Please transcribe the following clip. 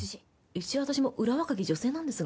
一応私もうら若き女性なんですが？